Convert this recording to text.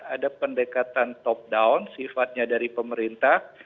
ada pendekatan top down sifatnya dari pemerintah